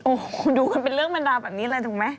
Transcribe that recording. โอ้โหดูกันเป็นเรื่องเป็นราวแบบนี้เลยถูกไหม